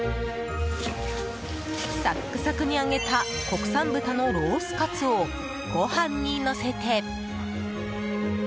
サックサクに揚げた国産豚のロースカツをご飯にのせて。